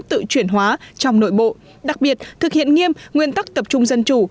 tự chuyển hóa trong nội bộ đặc biệt thực hiện nghiêm nguyên tắc tập trung dân chủ